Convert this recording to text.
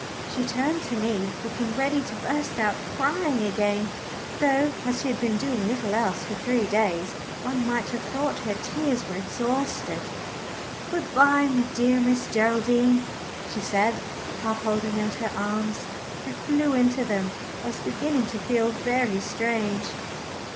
She turned to me, looking ready to burst out crying again, though, as she had been doing little else for three days, one might have thought her tears were exhausted. "Good bye, dear Miss Geraldine," she said, half holding out her arms. I flew into them. I was beginning to feel very strange.